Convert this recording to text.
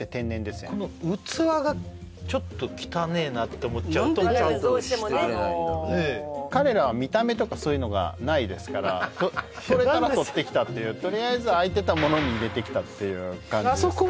この器がちょっと汚えなと思っちゃうともうどうしてもねあの彼らは見た目とかそういうのがないですからとれたらとってきたっていうとりあえず空いてたものに入れてきたっていう感じですからあそこ